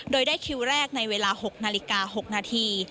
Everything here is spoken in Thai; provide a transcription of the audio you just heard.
โดยได้คิวแรกในเวลา๖นาฬิกา๖นาที